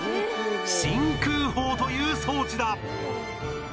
真空砲という装置だ。